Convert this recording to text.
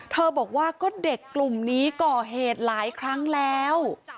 บอกว่าก็เด็กกลุ่มนี้ก่อเหตุหลายครั้งแล้ว